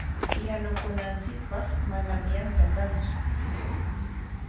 Yanukunanchikpaq manami yanta kantsu.